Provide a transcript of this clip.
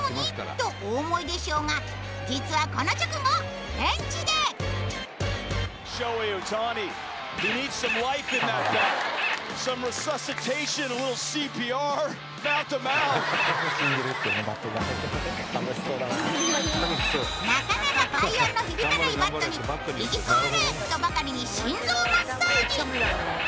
とお思いでしょうが実はこの直後ベンチでなかなか快音の響かないバットに生き返れ！とばかりに心臓マッサージ